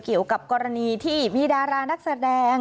เกี่ยวกับกรณีที่มีดารานักแสดง